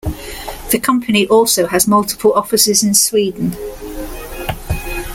The company also has multiple offices in Sweden.